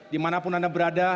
dimanapun anda berada